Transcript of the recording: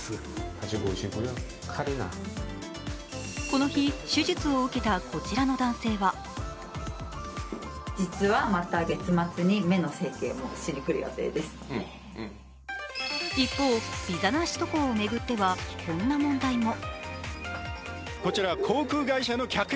この日、手術を受けたこちらの男性は一方、ビザなし渡航を巡ってはこんな問題も。